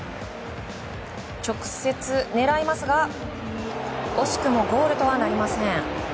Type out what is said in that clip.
直接狙いますが惜しくもゴールとはなりません。